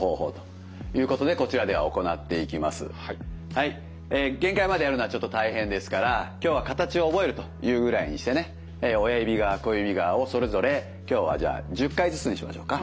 はい限界までやるのはちょっと大変ですから今日は形を覚えるというぐらいにしてね親指側小指側をそれぞれ今日はじゃあ１０回ずつにしましょうか。